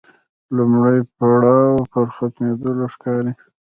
لومړی پړاو پر ختمېدلو ښکاري.